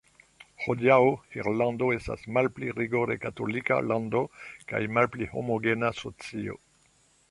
Hodiaŭ Irlando estas malpli rigore katolika lando kaj malpli homogena socio.